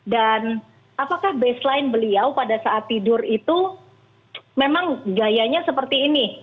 dan apakah baseline beliau pada saat tidur itu memang gayanya seperti ini